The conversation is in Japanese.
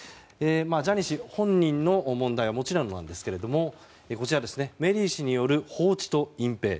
ジャニー氏本人の問題はもちろんなんですけれどもメリー氏による放置と隠ぺい。